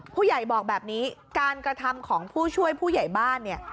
ผู้ใหญ่บอกแบบนี้การกระทำของผู้ช่วยผู้ใหญ่บ้านเนี่ย